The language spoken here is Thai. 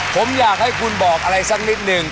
ผมอยากให้คุณบอกอะไรสักนิดหนึ่ง